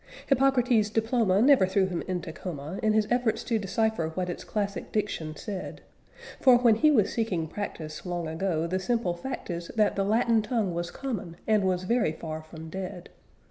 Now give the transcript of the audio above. Hippocrates' diploma never threw him into coma in his efforts to decipher what its classic diction said, For when he was seeking practice long ago the simple fact is that the Latin tongue was common and was very far from dead.